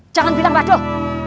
jangan bilang waduh